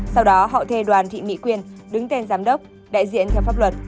sau đó họ thê đoàn thị mỹ quyên đứng tên giám đốc đại diện theo pháp luật